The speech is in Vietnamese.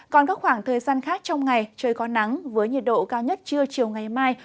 còn các khoảng thời gian khác trong ngày trời có nắng với nhiệt độ cao nhất trưa chiều ngày mai